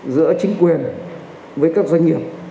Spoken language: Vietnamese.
giữa chính quyền với các doanh nghiệp